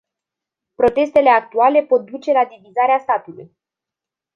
Protestele actuale pot duce la divizarea statului.